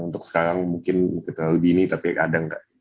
untuk sekarang mungkin mungkin terlebih ini tapi ada nggak